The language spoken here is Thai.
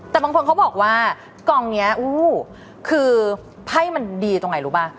แต่บางคนเขาบอกว่ากล่องนี้อู้คือไพ่มันดีตรงไหนรู้ป่ะ